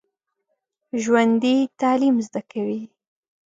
ژوندي تعلیم زده کوي